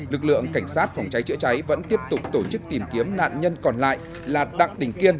lực lượng cảnh sát phòng cháy chữa cháy vẫn tiếp tục tổ chức tìm kiếm nạn nhân còn lại là đặng đình kiên